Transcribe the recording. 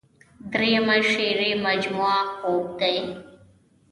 دريمه شعري مجموعه خوب دے ۔